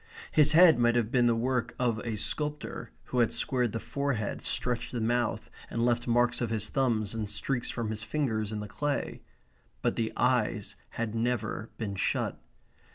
His head might have been the work of a sculptor, who had squared the forehead, stretched the mouth, and left marks of his thumbs and streaks from his fingers in the clay. But the eyes had never been shut.